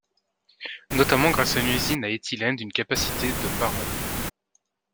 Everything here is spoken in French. Notamment grâce à une usine à éthylène d'une capacité de par an.